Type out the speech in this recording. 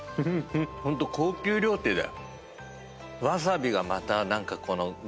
ホント高級料亭だ。